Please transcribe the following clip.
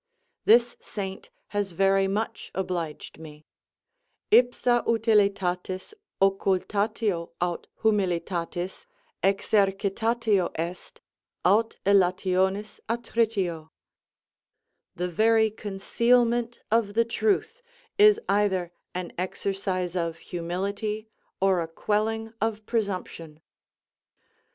This saint has very much obliged me: Ipsa veritatis occultatio ant humili tatis exercitatio est, aut elationis attritio "The very concealment of the truth is either an exercise of humility or a quelling of presumption."